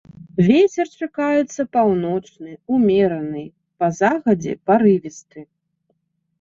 Вецер чакаецца паўночны ўмераны, па захадзе парывісты.